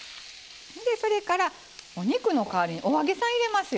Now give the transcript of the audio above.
それからお肉の代わりにお揚げさん入れますよ。